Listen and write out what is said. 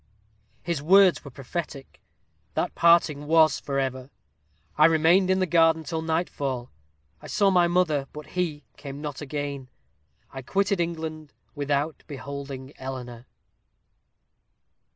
His words were prophetic that parting was forever. I remained in the garden till nightfall. I saw my mother, but he came not again. I quitted England without beholding Eleanor."